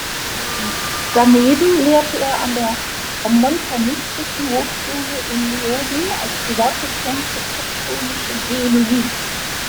Daneben lehrte er an der Montanistischen Hochschule in Leoben als Privatdozent für tektonische Geologie.